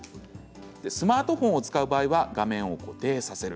スマートフォンを使う場合は画面を固定させる。